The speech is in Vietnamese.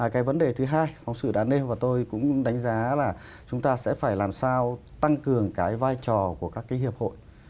cái vấn đề thứ hai phóng sự đã nêu và tôi cũng đánh giá là chúng ta sẽ phải làm sao tăng cường cái vai trò của các cái hiệp hội